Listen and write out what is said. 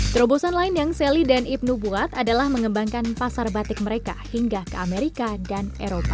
terobosan lain yang sally dan ibnu buat adalah mengembangkan pasar batik mereka hingga ke amerika dan eropa